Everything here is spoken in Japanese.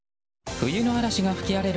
冬の嵐が吹き荒れる